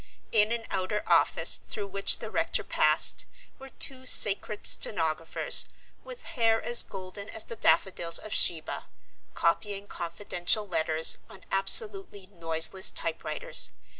In an outer office through which the rector passed were two sacred stenographers with hair as golden as the daffodils of Sheba, copying confidential letters on absolutely noiseless typewriters.